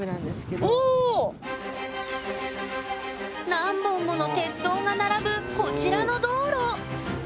何本もの鉄塔が並ぶこちらの道路。